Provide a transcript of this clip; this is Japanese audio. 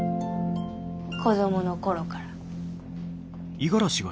子供の頃から。